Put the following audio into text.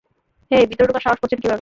হেই, ভিতরে ঢুকার সাহস করছেন কীভাবে?